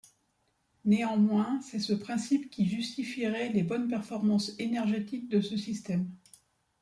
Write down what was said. Néanmoins, c'est ce principe qui justifierait les bonnes performances énergétiques de ce système.